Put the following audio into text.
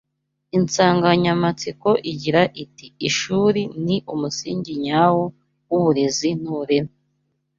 insanganyamatsiko igira iti Ishuri ni umusingi nyawo w’uburezi n’uburere